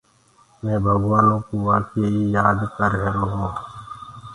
مي ڀگوآنو ڪو وآڪي ئي يآد ڪر رهيرو هونٚ۔